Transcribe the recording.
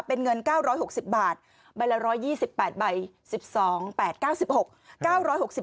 เป็นเงิน๙๖๐บาทใบละ๑๒๘ใบ๑๒๘๙๖